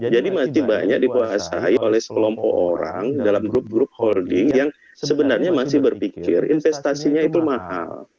jadi masih banyak dipuasai oleh sekelompok orang dalam grup grup holding yang sebenarnya masih berpikir investasinya itu mahal